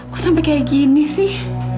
kok sampai kayak gini sih